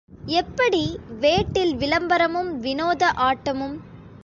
எப்படி வேட்டில் விளம்பரமும் வினோத ஆட்டமும்?